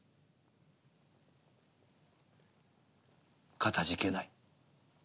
「かたじけない。